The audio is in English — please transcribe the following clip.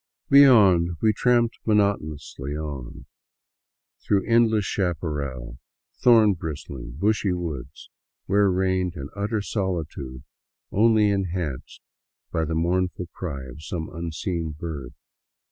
Beyond, we tramped monotonously on through endless chaparral, thorn bristling, bushy woods where reigned an utter solitude only enhanced by the mournful cry of some unseen bird.